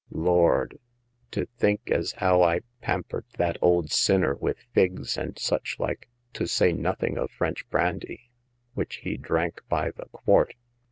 Lord ! to think as 'ow I pampered that old sinner with figs and such like — to say nothing of French brandy, which he drank by the quart